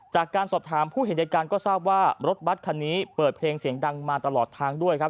จากการสอบถามผู้เห็นในการก็ทราบว่ารถบัตรคันนี้เปิดเพลงเสียงดังมาตลอดทางด้วยครับ